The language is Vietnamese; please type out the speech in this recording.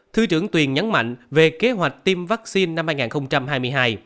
thứ trưởng tuyền nhấn mạnh về kế hoạch tiêm vaccine năm hai nghìn hai mươi hai